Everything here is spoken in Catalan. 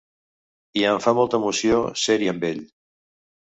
I em fa molta emoció ser-hi amb ell.